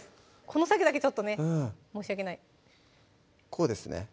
この作業だけちょっとね申し訳ないこうですね